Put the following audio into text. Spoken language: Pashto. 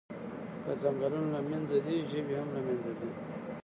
که ځنګلونه له منځه ځي، ژوي هم له منځه ځي.